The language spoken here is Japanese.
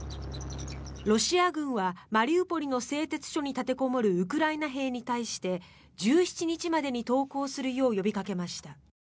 ロシア軍はマリウポリの製鉄所に立てこもるウクライナ兵に対して１７日までに投降するよう呼びかけました。